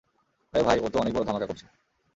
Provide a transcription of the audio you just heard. আরে ভাই ওতো অনেক বড় ধামাকা করছে।